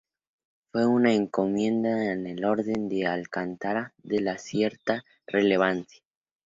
Fue una encomienda de la Orden de Alcántara de cierta relevancia.